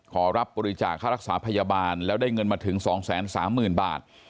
ขอรับบริจาคค่ารักษาพยาบาลแล้วได้เงินมาถึง๒๓๐๐๐บาท